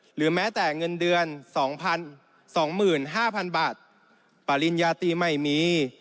หรือแม้แต่เงินเดือน๒๕๐๐๐บาทปริญญาตรีไม่มี